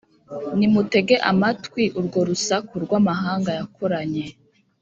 Nimutege amatwi urwo rusaku rw’amahanga yakoranye: